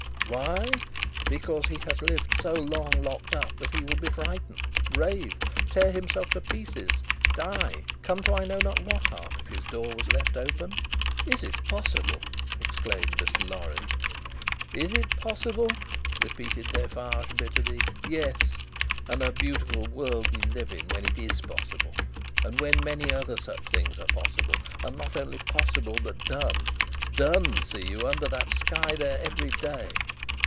"Why! Because he has lived so long, locked up, that he would be frightened rave tear himself to pieces die come to I know not what harm if his door was left open." "Is it possible!" exclaimed Mr. Lorry. "Is it possible!" repeated Defarge, bitterly. "Yes. And a beautiful world we live in, when it is possible, and when many other such things are possible, and not only possible, but done done, see you! under that sky there, every day.